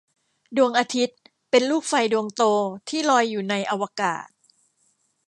ดวงอาทิตย์เป็นลูกไฟดวงโตที่ลอยอยู่ในอวกาศ